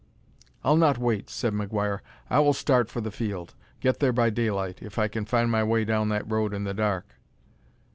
"I'll not wait," said McGuire. "I will start for the field; get there by daylight, if I can find my way down that road in the dark."